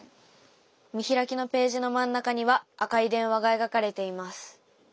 見開きのページの真ん中には赤い電話が描かれています。